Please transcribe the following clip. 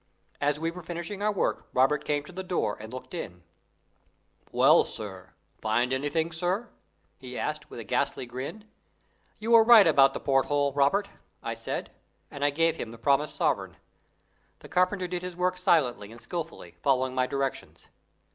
As we were finishing our work, Robert came to the door and looked in. "Well, sir find anything, sir?" he asked, with a ghastly grin. "You were right about the porthole, Robert," I said, and I gave him the promised sovereign. The carpenter did his work silently and skilfully, following my directions.